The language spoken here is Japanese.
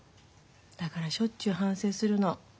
だからしょっちゅう反省するの。